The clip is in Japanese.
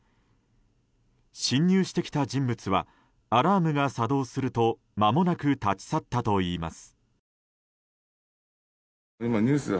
侵入してきた人物はアラームが作動するとまもなく立ち去ったといいます。